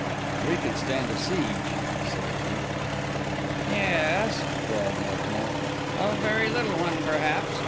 "We could stand a siege," I said at length. "Ye es," drawled Northmour; "a very little one, per haps.